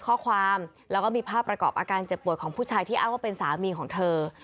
เข้าใจคำว่าคอเกือบขาดเลย